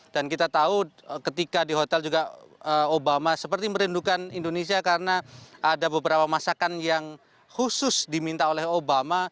dan kita tahu ketika di hotel juga obama seperti merindukan indonesia karena ada beberapa masakan yang khusus diminta oleh obama